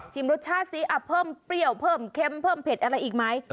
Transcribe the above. รสชาติซิเพิ่มเปรี้ยวเพิ่มเค็มเพิ่มเผ็ดอะไรอีกไหม